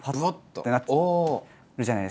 ってなるじゃないですか。